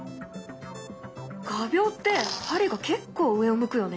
画びょうって針が結構上を向くよね。